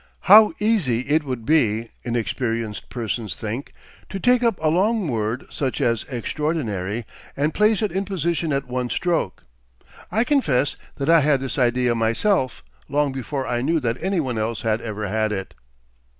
How easy it would be, inexperienced persons think, to take up a long word, such as extraordinary, and place it in position at one stroke. I confess that I had this idea myself, long before I knew that any one else had ever had it.